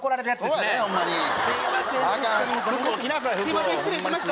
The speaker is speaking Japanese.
すみません、失礼しました。